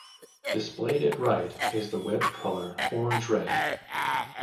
Displayed at right is the web color orange-red.